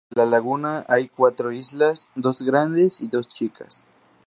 Dentro de la laguna hay cuatro islas, dos grandes y dos chicas.